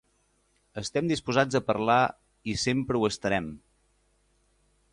Estem disposats a parlar i sempre ho estarem.